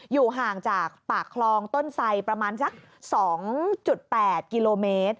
อยู่ห่างจากปากคลองต้นไสประมาณสัก๒๘กิโลเมตร